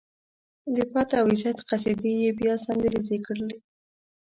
د پت او عزت قصيدې يې بيا سندريزې کړې.